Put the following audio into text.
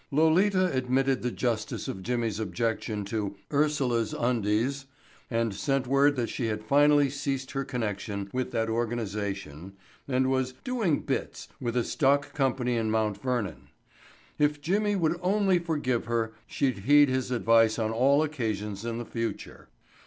Lolita admitted the justice of Jimmy's objection to "Ursula's Undies," and sent word that she had finally ceased her connection with that organization and was "doing bits" with a stock company in Mt. Vernon. If Jimmy would only forgive her she'd heed his advice on all occasions in the future.